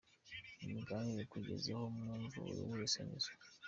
Nimuganire kugeza aho mwumva buri wese anyuzwe.